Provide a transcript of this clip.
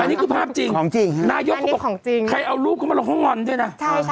อันนี้คือภาพจริงนายุขาใครเอารูปเขามาลงเขางอนด้วยนะ